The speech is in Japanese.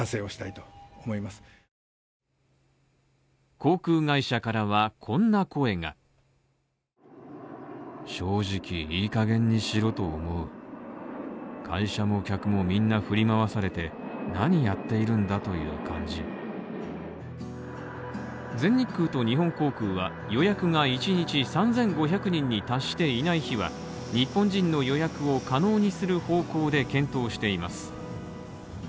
航空会社からは、こんな声が全日空と日本航空は予約が１日３５００人に達していない日は日本人の予約を可能にする方向で検討しています。